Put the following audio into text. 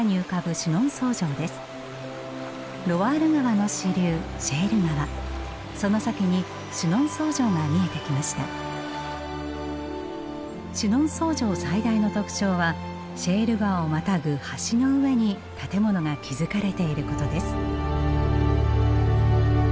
シュノンソー城最大の特徴はシェール川をまたぐ橋の上に建物が築かれていることです。